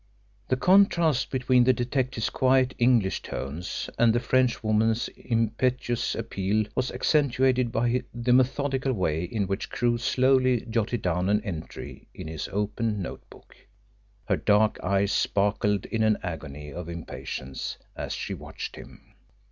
The contrast between the detective's quiet English tones and the Frenchwoman's impetuous appeal was accentuated by the methodical way in which Crewe slowly jotted down an entry in his open notebook. Her dark eyes sparkled in an agony of impatience as she watched him.